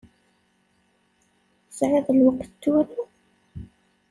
Tesεiḍ lweqt tura?